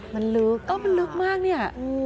มันลึกก็มันลึกมากเนี่ย